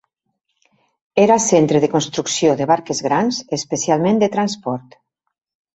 Era centre de construcció de barques grans especialment de transport.